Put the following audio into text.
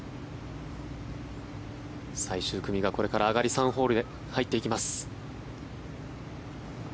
最終組がこれから上がり３ホールに入っていきます。